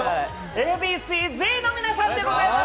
Ａ．Ｂ．Ｃ−Ｚの皆さんでございます。